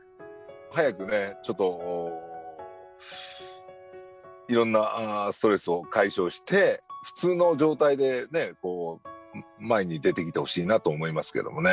早くね、ちょっといろんなストレスを解消して、普通の状態で、前に出てきてほしいなと思いますけどね。